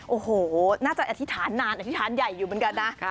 โอ้โหน่าจะอธิษฐานนานอธิษฐานใหญ่อยู่เหมือนกันนะ